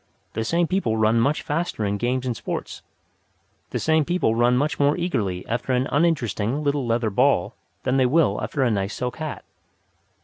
The same people run much faster in games and sports. The same people run much more eagerly after an uninteresting; little leather ball than they will after a nice silk hat.